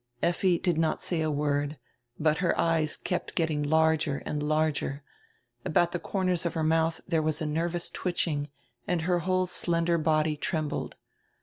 '" Effi did not say a word, but her eyes kept getting larger and larger. About the corners of her mouth there was a nervous twitching and her whole slender body trembled.